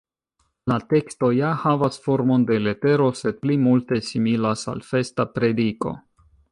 La teksto ja havas formon de letero, sed pli multe similas al festa prediko.